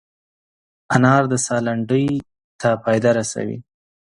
انار د ساه لنډۍ ته فایده رسوي.